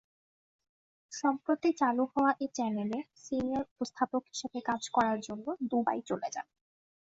সম্প্রতি চালু হওয়া এ চ্যানেলে সিনিয়র উপস্থাপক হিসেবে কাজ করার জন্য দুবাই চলে যান।